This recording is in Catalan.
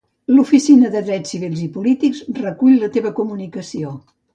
L'Oficina de Drets Civils i Polítics recull la teva comunicació.